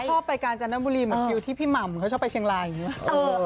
ชอบไปกาญจนบุรีเหมือนคิวที่พี่หม่ำเขาชอบไปเชียงรายอย่างนี้